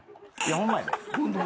ホンマか。